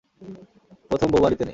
প্রথম বউ বাড়িতে নেই।